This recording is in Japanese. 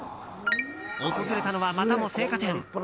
訪れたのはまたも青果店。